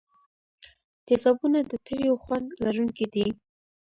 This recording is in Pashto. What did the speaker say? تیزابونه د تریو خوند لرونکي دي.